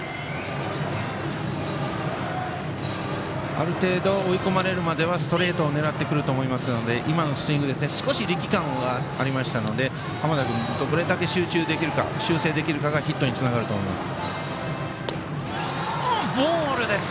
ある程度追い込まれるまではストレートを狙ってくると思いますので今のスイング、少し力感はありましたので、濱田君がどれだけ修正できるかがヒットにつながると思います。